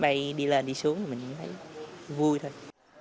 mấy ngày đi lên đi xuống mình thấy vui thôi